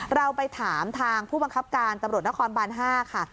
เราไปถามทางผู้บังคับการตำรวจนครบาน๕ค่ะ